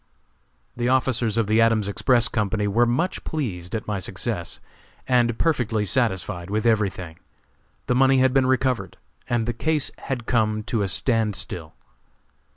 The officers of the Adams Express Company were much pleased at my success, and perfectly satisfied with everything. The money had been recovered, and the case had come to a stand still.